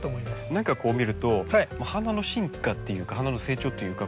何かこう見ると花の進化っていうか花の成長っていうか